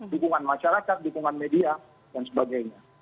dukungan masyarakat dukungan media dan sebagainya